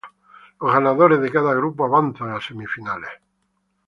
Los ganadores de cada grupo avanzan a semifinales.